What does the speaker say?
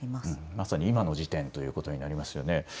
まさに今の時点ということになりますね。